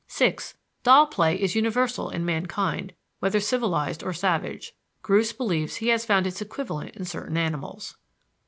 (6) Doll play is universal in mankind, whether civilized or savage. Groos believes he has found its equivalent in certain animals.